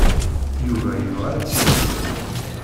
Yuba yebɣa ad tt-yawi.